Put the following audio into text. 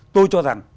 tôi cho rằng